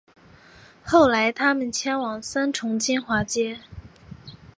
后来他们迁往三重金华街